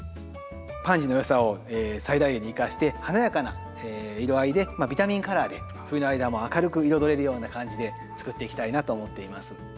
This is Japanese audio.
パンジーのよさを最大限に生かして華やかな色合いでビタミンカラーで冬の間も明るく彩れるような感じで作っていきたいなと思っています。